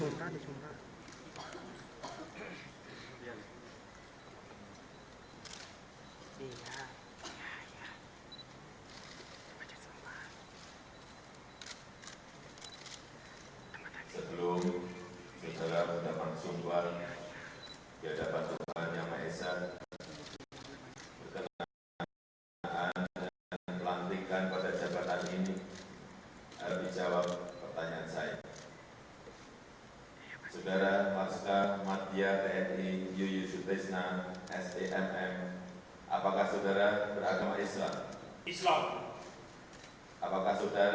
lalu kebangsaan indonesia baik